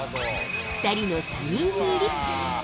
２人のサイン入り。